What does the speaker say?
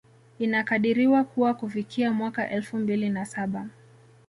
Inakadiriwa kuwa kufikia mwaka elfu mbili na saba